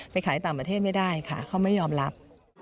ขายต่างประเทศไม่ได้ค่ะเขาไม่ยอมรับ